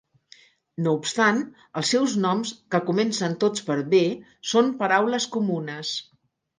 No obstant, els seus noms, que comencen tots per b, són paraules comunes.